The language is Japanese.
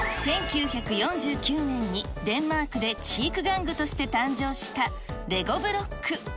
１９４９年にデンマークで知育玩具として誕生したレゴブロック。